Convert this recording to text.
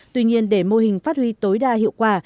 tuy nhiên để mô hình phát huy tối đa hiệu quả